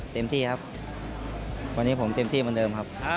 เต็มที่ครับวันนี้ผมเต็มที่เหมือนเดิมครับ